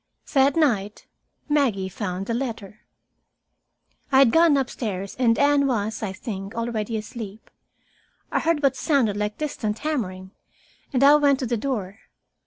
That night Maggie found the letter. I had gone upstairs, and Anne was, I think, already asleep. I heard what sounded like distant hammering, and I went to the door.